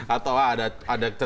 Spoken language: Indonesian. atau ada tentunya petikaran saja